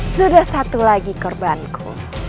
sudah satu lagi korbanku